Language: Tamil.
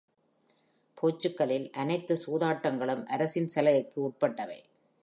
போர்ச்சுகலில் அனைத்து சூதாட்டங்களும் அரசின் சலுகைக்கு உட்பட்டவை.